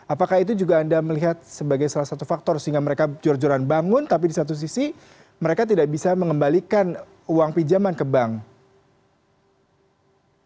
apakah itu juga anda melihat sebagai salah satu faktor sehingga mereka jor joran bangun tapi di satu sisi mereka tidak bisa mengembalikan uang pinjaman ke bank